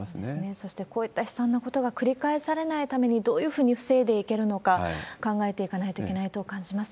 そして、こういった悲惨なことが繰り返されないために、どうやって防いでいくのか考えていかないといけないと感じます。